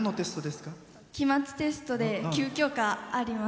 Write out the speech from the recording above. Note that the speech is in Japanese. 期末テストで９教科あります。